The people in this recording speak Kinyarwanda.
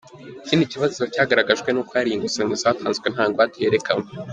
Ikindi kibazo cyagaragajwe ni uko hari inguzanyo zatanzwe nta ngwate yerekanywe.